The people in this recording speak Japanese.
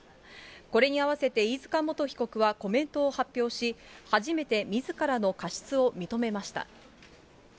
これに合わせて飯塚元被告はコメントを発表し、初めてみずからの過失を認めました。